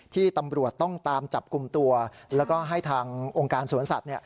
ที่ตำรวจต้องตามจับกลุ่มตัวแล้วก็ให้ทางองค์การสวนสัตว์